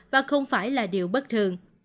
và không phải là điều bất thường